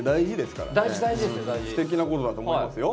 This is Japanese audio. すてきなことだと思いますよ。